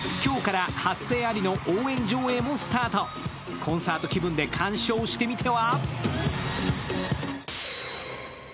コンサート気分で鑑賞してみては？